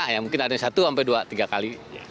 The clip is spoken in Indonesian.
ya mungkin ada satu sampai dua tiga kali